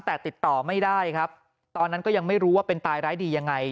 แต่ติดต่อไม่ได้ครับตอนนั้นก็ยังไม่รู้ว่าเป็นตายร้ายดียังไง